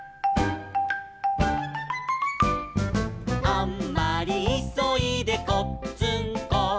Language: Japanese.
「あんまりいそいでこっつんこ」